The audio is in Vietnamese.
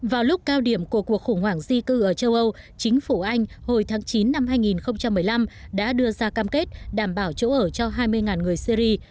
vào lúc cao điểm của cuộc khủng hoảng di cư ở châu âu chính phủ anh hồi tháng chín năm hai nghìn một mươi năm đã đưa ra cam kết đảm bảo chỗ ở cho hai mươi người syri